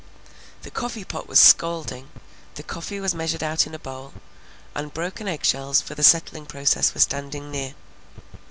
The coffee pot was scalding, the coffee was measured out in a bowl, and broken eggshells for the settling process were standing near.